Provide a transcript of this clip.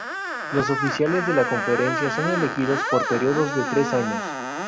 Los oficiales de la conferencia son elegidos por períodos de tres años.